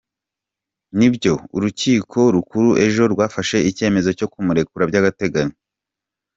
Ati “Nibyo, Urukiko Rukuru ejo rwafashe icyemezo cyo kumurekura by’agateganyo.